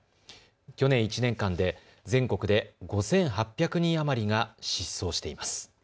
去年１年間で全国で５８００人余りが失踪しています。